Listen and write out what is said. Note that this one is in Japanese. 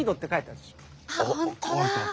あっ本当だ。